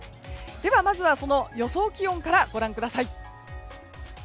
では、まずは予想気温からご覧ください。